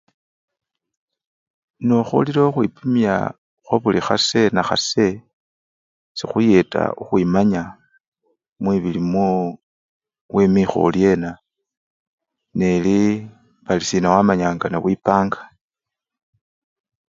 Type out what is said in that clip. Nokholile khukhwipimya khwabuli khase nakhase, sikhuyeta khukhwimanya mwibili mwowo wemikhe oryena, nelii balisina wamanya nga nowipanga.